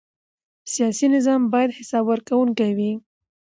سیاسي نظام باید حساب ورکوونکی وي